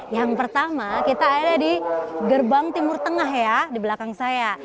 yang pertama kita ada di gerbang timur tengah ya di belakang saya